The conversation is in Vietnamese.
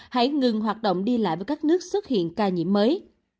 hãy ngừng hoạt động đi lại với các nước xuất hiện ca nhiễm mới